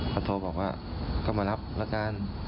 เขาโทรบอกว่าก็มารับแล้วกัน